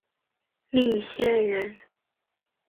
密县人。